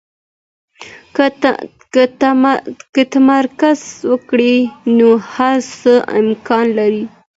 که تمرکز وکړئ، نو هر څه امکان لري.